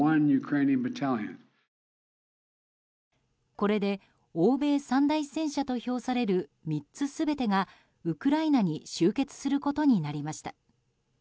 これで欧米三大戦車と評される３つ全てがウクライナに集結することになりました。